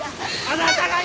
あなたが！